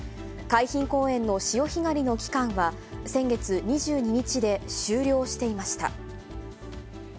海浜公園の潮干狩りの期間は、先月２２日で終了していました。